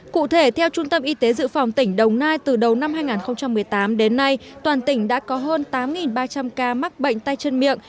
cụ thể theo trung tâm y tế dự phòng tỉnh đồng nai từ đầu năm hai nghìn một mươi tám đến nay toàn tỉnh đã có hơn tám ba trăm linh ca mắc bệnh tay chân miệng